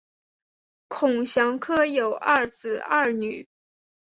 孔祥柯有二子二女